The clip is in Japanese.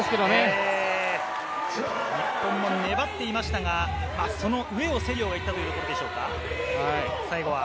日本も粘っていましたが、その上をセリオが行ったということでしょうか？